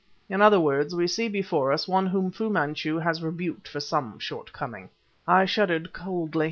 In other words, we see before us one whom Fu Manchu has rebuked for some shortcoming." I shuddered coldly.